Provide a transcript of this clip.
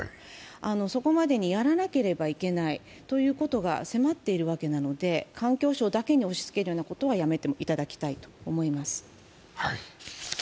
そこまでにやらなければいけないということが迫っているわけなので環境省だけに押しつけるようなことはやめていただきたいです。